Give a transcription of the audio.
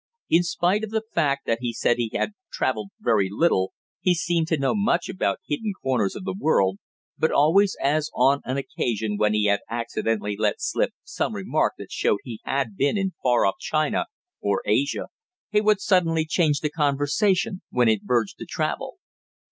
In spite of the fact that he said he had traveled very little, he seemed to know much about hidden corners of the world, but always, as on an occasion when he had accidentally let slip some remark that showed he had been in far off China or Asia, he would suddenly change the conversation when it verged to travel.